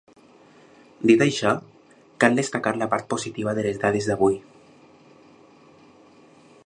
Dit això, cal destacar la part positiva de les dades d’avui.